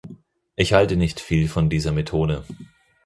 Ich halte nicht viel von dieser Methode.